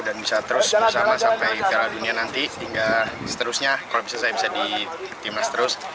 dan bisa terus bersama sampai piala dunia nanti hingga seterusnya kalau bisa saya bisa di timnas terus